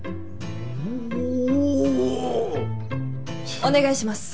お願いします。